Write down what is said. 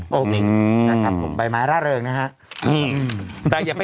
น่าทำผมใบไม้ล่าเริงนะฮะ